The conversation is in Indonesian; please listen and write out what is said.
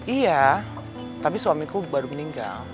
iya tapi suamiku baru meninggal